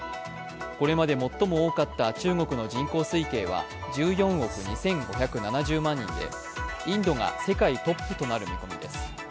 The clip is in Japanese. これまで最も多かった中国の人口推計は１４億２５７０万人でインドが世界トップとなる見込みです。